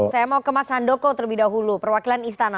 saya mau ke mas handoko terlebih dahulu perwakilan istana